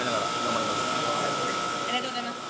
張ありがとうございます。